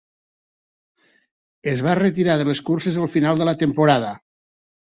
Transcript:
Es va retirar de les curses al final de la temporada.